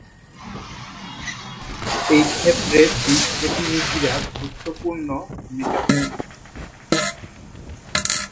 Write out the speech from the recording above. এই ক্ষেত্রে, সুইস প্রতিনিধিরা, গুরুত্বপূর্ণ ভূমিকা রাখেন।